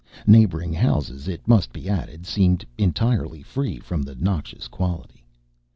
Neighboring houses, it must be added, seemed entirely free from the noxious quality.